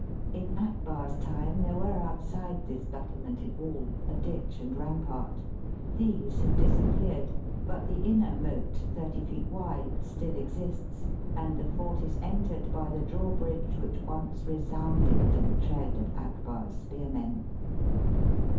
In Akbar's time there were outside this battlemented wall a ditch and rampart. These have disappeared ; but the inner moat, thirty feet wide, still exists, and the fort is entered by the drawbridge which once re sounded to the tread of Akbar's spearmen.